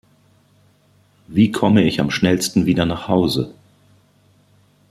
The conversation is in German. Wie komme ich am schnellsten wieder nach Hause?